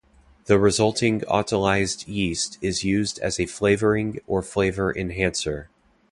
The resulting autolyzed yeast is used as a flavoring or flavor enhancer.